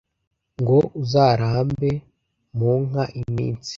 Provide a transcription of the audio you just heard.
ngo uzarambe mu nka iminsi